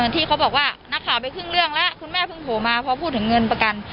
ที่เขาบอกว่านักข่าวไปครึ่งเรื่องแล้วคุณแม่เพิ่งโทรมาพอพูดถึงเงินประกัน